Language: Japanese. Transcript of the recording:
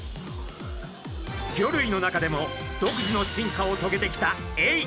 魚類の中でも独自の進化をとげてきたエイ。